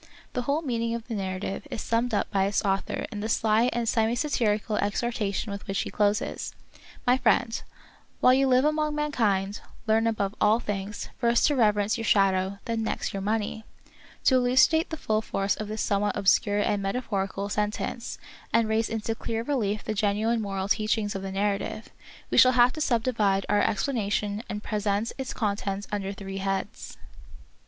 The whole meaning of the narrative is summed up by its author in the sly and semi satirical exhortation with which he closes :" My friend, while you live among ii6 The Wonderful History mankind, learn, above all things,, first to reverence your shadow, and next your money !"' To elucidate the full force of this somewhat obscure and metaphorical sen tence, and raise into clear relief the genuine moral teachings of the narrative, we shall have to subdivide our explanation and present its contents under three heads.